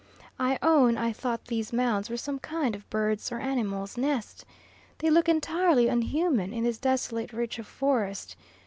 I own I thought these mounds were some kind of bird's or animal's nest. They look entirely unhuman in this desolate reach of forest.